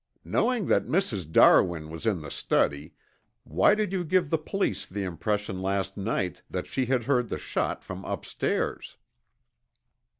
"Knowing that Mrs. Darwin was in the study, why did you give the police the impression last night that she had heard the shot from upstairs?"